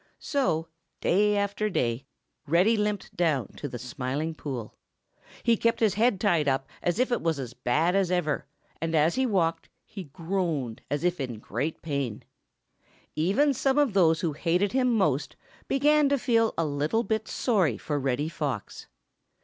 So day after day Reddy limped down to the Smiling Pool. He kept his head tied up as if it was as bad as ever, and as he walked, he groaned as if in great pain. Even some of those who hated him most began to feel a little bit sorry for Reddy Fox.